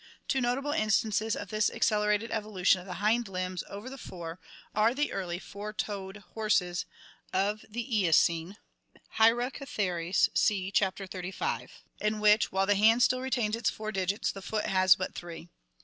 Two notable instances of this accelerated evolu tion of the hind limbs over the fore are the early four toed horses of the Eocene (Hyracotheres, see Chapter XXXV) in which, while the hand still retains its four digits, the foot has but three.